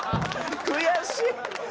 悔しい！